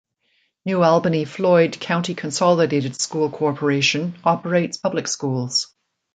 New Albany-Floyd County Consolidated School Corporation operates public schools.